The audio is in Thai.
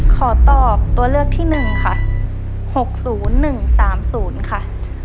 ขอตอบตัวเลือกที่หนึ่งค่ะหกศูนย์หนึ่งสามศูนย์ค่ะ